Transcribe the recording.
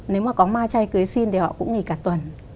nếu mà có mai chay cưới xin thì họ cũng nghỉ cả tuần